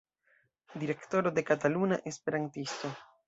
Direktoro de Kataluna Esperantisto.